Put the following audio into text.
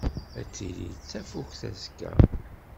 Ad tili tafukt azekka?